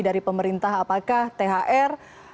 dari pemerintah apakah thr